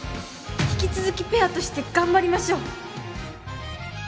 引き続きペアとして頑張りましょう